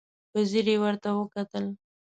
په ځير يې ورته وکتل.